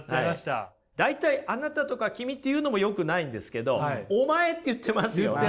大体「あなた」とか「君」って言うのもよくないんですけど「お前」って言ってますよね？